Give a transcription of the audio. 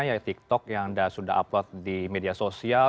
yaitu tiktok yang anda sudah upload di media sosial